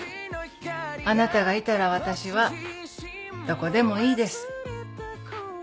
あなたがいたら私はどこでもいいです。